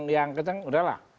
yang kencang udah lah